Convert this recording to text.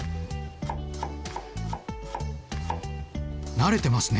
慣れてますね。